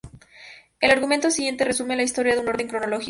El argumento siguiente resume la historia en orden cronológico.